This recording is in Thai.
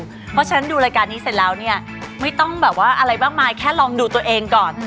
เพราะฉะนั้นดูรายการนี้เสร็จแล้วเนี่ยไม่ต้องแบบว่าอะไรมากมายแค่ลองดูตัวเองก่อน